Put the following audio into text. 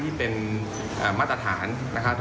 ที่เป็นมาตรฐานนะครับ